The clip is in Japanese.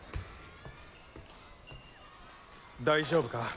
大丈夫か？